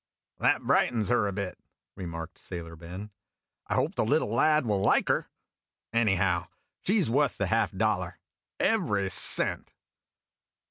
"That brightens her a bit," remarked Sailor Ben. "I hopes the little lad will like her. Anyhow, she 's wuth the half dollar every cent."